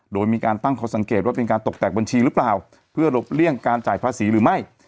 โดยมีการตั้งข้อสังเกตว่าเป็นการตกแต่งบัญชีหรือเปล่าเพื่อหลบเลี่ยงการจ่ายภาษีหรือไม่